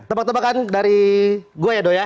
tebak tebakan dari gue ya do ya